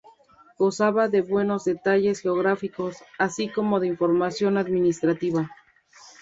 Gozaba de buenos detalles geográficos, así como de información administrativa.